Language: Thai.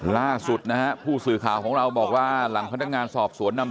ล่าสุดนะฮะผู้สื่อข่าวของเราบอกว่าหลังพนักงานสอบสวนนำ